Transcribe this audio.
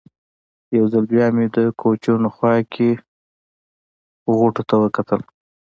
یو ځل بیا مې د کوچونو خوا کې غوټو ته وکتل.